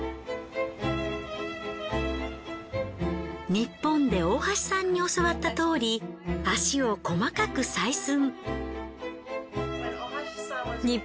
ニッポンで大橋さんに教わったとおり足を細かく採寸。